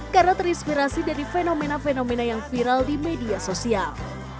karena terinspirasi dari fenomena fenomena yang viral di media sosial